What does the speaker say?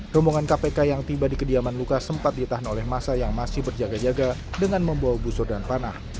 rombongan kpk yang tiba di kediaman luka sempat ditahan oleh masa yang masih berjaga jaga dengan membawa busur dan panah